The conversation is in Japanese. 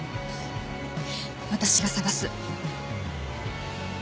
私が捜す。